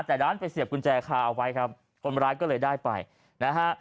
แต่ด้านไปเสียบกุญแจคาเอาไว้ครับคนร้ายก็เลยได้ไปนะฮะ